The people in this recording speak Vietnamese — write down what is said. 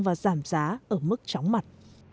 và giảm giá ở mức chóng mặt